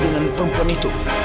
dengan perempuan itu